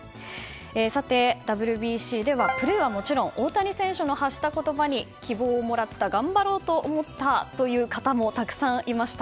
さて、ＷＢＣではプレーはもちろん大谷選手の発した言葉に希望をもらった頑張ろうと思ったという方もたくさんいました。